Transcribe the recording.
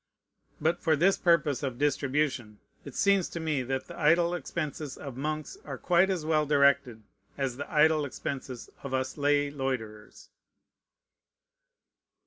But for this purpose of distribution, it seems to me that the idle expenses of monks are quite as well directed as the idle expenses of us lay loiterers.